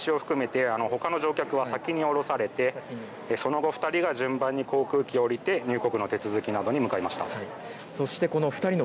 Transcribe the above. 到着後は私を含めてほかの乗客は先に降ろされて、その後、２人が順番に航空機を降りて入国の手続きなどに向かいました。